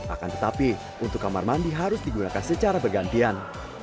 akan tetapi untuk kamar mandi harus digunakan secara bergantian